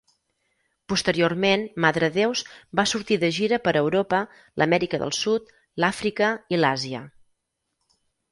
Posteriorment, Madredeus va sortir de gira per Europa, l'Amèrica del Sud, l'Àfrica i l'Àsia.